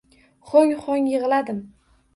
Ho`ng-ho`ng yig`ladim